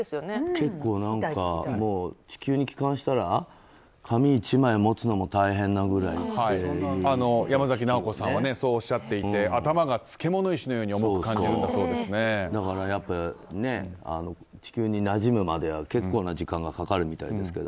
結構、地球に帰還したら紙１枚持つのも山崎直子さんはそうおっしゃっていて頭が漬物石のようにだから、地球になじむまでは結構な時間がかかるみたいですけど